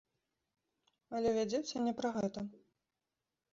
Але вядзецца не пра гэта.